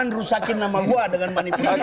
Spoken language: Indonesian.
jangan rusakin nama gua dengan manipulasi